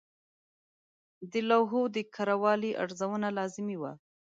د لوحو د کره والي ارزونه لازمي وه.